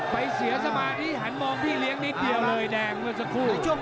เสียสมาธิหันมองพี่เลี้ยงนิดเดียวเลยแดงเมื่อสักครู่